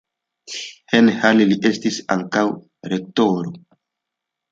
En Halle li estis ankaŭ rektoro.